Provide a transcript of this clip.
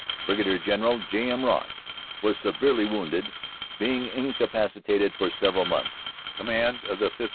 Brig. General J. M. Ross was severely wounded, being incapacitated for several months, command of the 5th.